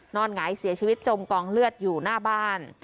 หงายเสียชีวิตจมกองเลือดอยู่หน้าบ้าน